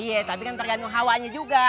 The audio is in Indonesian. iya tapi kan tergantung hawanya juga